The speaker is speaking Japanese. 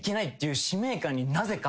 なぜか。